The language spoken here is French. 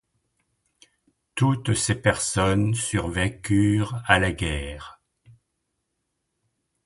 Toutes ces personnes survécurent à la guerre.